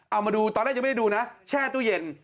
เอามาดูตอนแรกยังไม่ได้ดูนะแช่ตู้เย็น